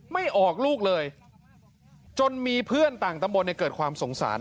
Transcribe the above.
ไม่ออกลูกเลยจนมีเพื่อนต่างตำบลในเกิดความสงสาร